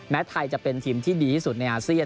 ไทยจะเป็นทีมที่ดีที่สุดในอาเซียน